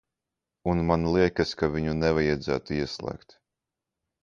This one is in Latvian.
Un man liekas, ka viņu nevajadzētu ieslēgt!